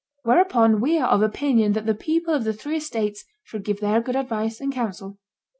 Whereupon we are of opinion that the people of the three estates should give their good advice and council."